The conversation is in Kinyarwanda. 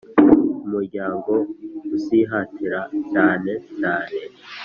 Umuryango uzihatira cyane cyane